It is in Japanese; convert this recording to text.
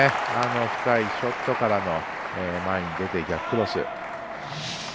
深いショットからの前に出て逆クロス。